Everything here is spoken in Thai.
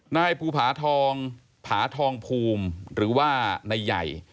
นายภูผาทองผาทองภูมิหรือว่านายใหญ่